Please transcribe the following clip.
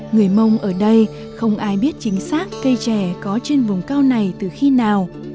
người mông ở đây không ai biết chính xác cây trẻ có trên vùng cao này từ khi nào